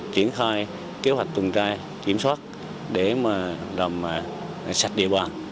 triển khai kế hoạch tường trai kiểm soát để mà đầm sạch địa bàn